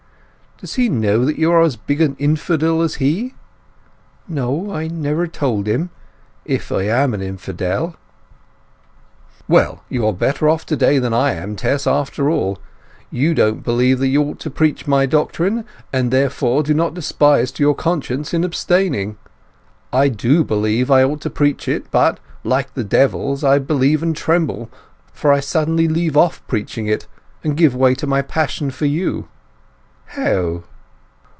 "Does he know that you are as big an infidel as he?" "No—I never told him—if I am an infidel." "Well—you are better off to day that I am, Tess, after all! You don't believe that you ought to preach my doctrine, and, therefore, do no despite to your conscience in abstaining. I do believe I ought to preach it, but, like the devils, I believe and tremble, for I suddenly leave off preaching it, and give way to my passion for you." "How?"